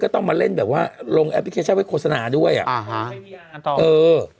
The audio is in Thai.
ต้องมาเล่นแบบว่าลงแอปพลิเคชันไว้โฆษณาด้วยอ่ะอ่าฮะเออ